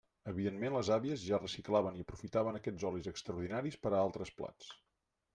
Evidentment les àvies ja reciclaven i aprofitaven aquests olis extraordinaris per a altres plats.